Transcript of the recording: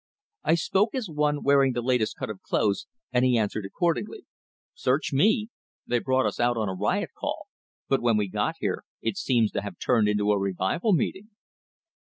I spoke as one wearing the latest cut of clothes, and he answered accordingly. "Search me! They brought us out on a riot call, but when we got here, it seems to have turned into a revival meeting."